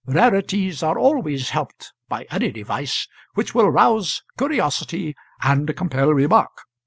Rarities are always helped by any device which will rouse curiosity and compel remark.